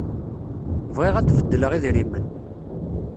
Bɣiɣ ad d-beddleɣ idrimen.